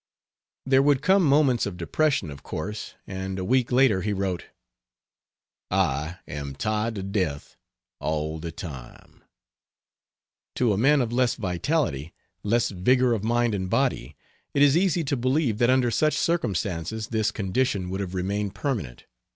There would come moments of depression, of course, and a week later he wrote: "I am tired to death all the time:" To a man of less vitality, less vigor of mind and body, it is easy to believe that under such circumstances this condition would have remained permanent.